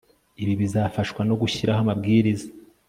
ibi bizafashwa no gushyiraho amabwiriza